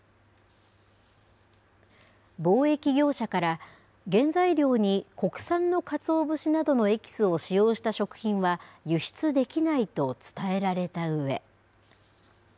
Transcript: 貿易業者から、原材料に国産のかつお節などのエキスを使用した食品は、輸出できないと伝えられたうえ。